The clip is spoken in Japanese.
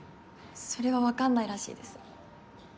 それはわかんないらしいです。